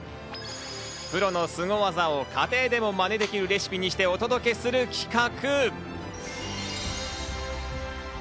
プロのスゴ技を家庭でもマネできるレシピにしてお届けする企画。